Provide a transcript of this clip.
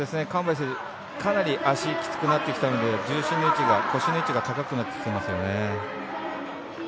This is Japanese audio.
韓梅選手、かなり足がきつくなってきたので重心の位置、腰の位置が高くなってきていますね。